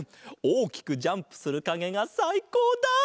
おおきくジャンプするかげがさいこうだ！